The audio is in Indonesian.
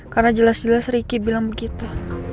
karena jelas jelas riki bilang begitu